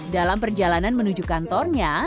dalam perjalanan menuju kantornya